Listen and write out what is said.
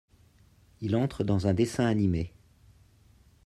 Il entre dans un dessin animé.